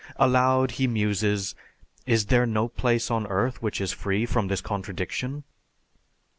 Aloud he muses, "Is there no place on Earth which is free from this contradiction?"